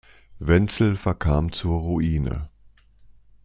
Wenzel verkam zur Ruine.